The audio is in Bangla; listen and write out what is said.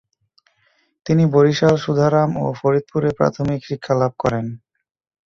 তিনি বরিশাল, সুধারাম ও ফরিদপুরে প্রাথমিক শিক্ষালাভ করেন।